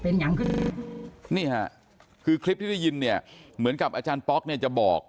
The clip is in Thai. นี่ค่ะคือคลิปที่ได้ยินเนี่ยเหมือนกับอาจารย์ป๊อกเนี่ยจะบอก